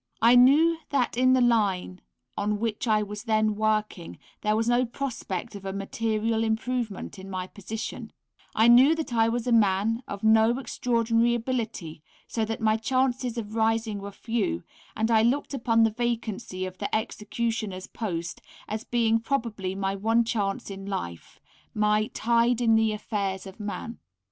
I knew that in the line on which I was then working there was no prospect of a material improvement in my position; I knew that I was a man of no extraordinary ability, so that my chances of rising were few, and I looked upon the vacancy of the executioner's post as being probably my one chance in life, my "tide in the affairs of men."